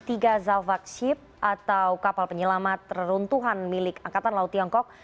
tiga zalfak ship atau kapal penyelamat reruntuhan milik angkatan laut tiongkok